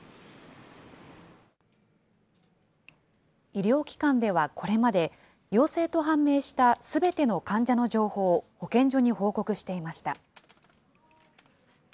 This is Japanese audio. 医療機関ではこれまで、陽性と判明したすべての患者の情報を保健所に報告していました。